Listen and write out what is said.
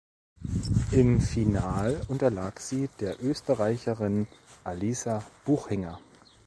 Im Final unterlag sie der Österreicherin Alisa Buchinger.